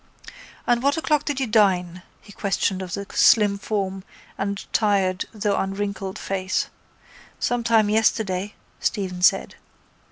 —At what o'clock did you dine? he questioned of the slim form and tired though unwrinkled face. —Some time yesterday, Stephen said.